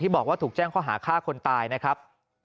บุกแจ้งเขาหาฆ่าคนตายนะครับ